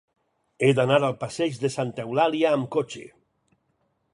He d'anar al passeig de Santa Eulàlia amb cotxe.